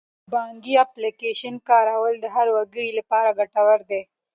د بانکي اپلیکیشن کارول د هر وګړي لپاره ګټور دي.